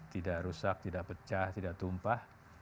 tidak rusak tidak pecah tidak tumpah